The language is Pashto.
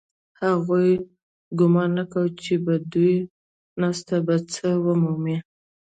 هغوی ګومان نه کاوه چې په دې ناسته کې به څه ومومي